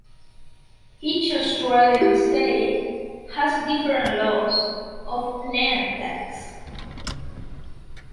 Each Australian state has different laws of land tax.